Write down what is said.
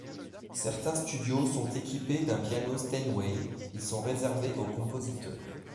Certains studios sont équipés d'un piano Steinway, ils sont réservés aux compositeurs.